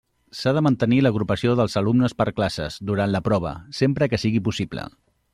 S'ha de mantenir l'agrupació dels alumnes per classes durant la prova, sempre que sigui possible.